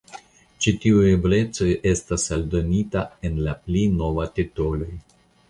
Ĉi tiuj eblecoj estas aldonita en la pli nova titoloj.